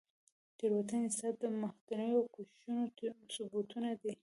تیروتنې ستا د محنتونو او کوښښونو ثبوتونه دي.